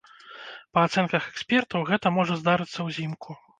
Па ацэнках экспертаў, гэта можа здарыцца ўзімку.